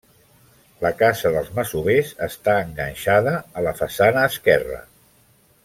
La casa dels masovers està enganxada a la façana esquerra.